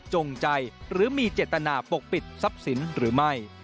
จงใจหรือมีเจตนาปกปิดทรัพย์สินหรือไม่